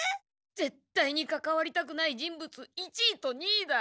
ぜっ対にかかわりたくない人物１位と２位だ。